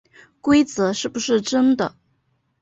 规则是不是真的